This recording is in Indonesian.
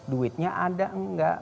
duitnya ada nggak